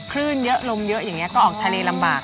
คลื่นเยอะลมเยอะอย่างนี้ก็ออกทะเลลำบาก